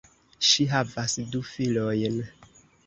Ŝi havas du filojn.